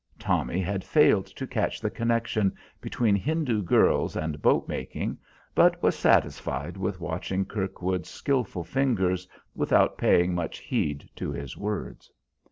Tommy had failed to catch the connection between Hindoo girls and boat making, but was satisfied with watching Kirkwood's skillful fingers, without paying much heed to his words.